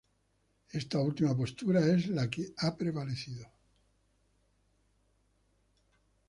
Esta última postura es la que ha prevalecido.